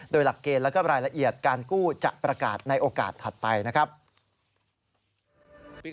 โดยหลักเกณฑ์แล้วก็รายละเอียดการกู้จะประกาศในโอกาสถัดไปนะครับ